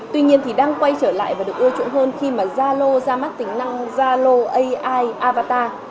tuy nhiên thì đang quay trở lại và được ưa chuộng hơn khi mà zalo ra mắt tính năng zalo ai avatar